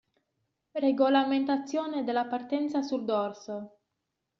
Regolamentazione della partenza sul dorso.